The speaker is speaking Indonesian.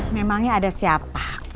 memangnya ada siapa